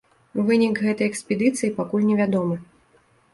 Вынік гэтай экспедыцыі пакуль невядомы.